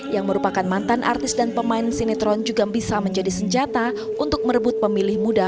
yang merupakan mantan artis dan pemain sinetron juga bisa menjadi senjata untuk merebut pemilih muda